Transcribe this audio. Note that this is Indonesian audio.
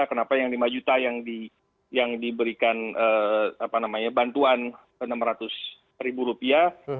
kenapa yang lima juta yang diberikan bantuan enam ratus ribu rupiah